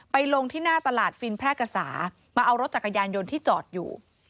ลงที่หน้าตลาดฟินแพร่กษามาเอารถจักรยานยนต์ที่จอดอยู่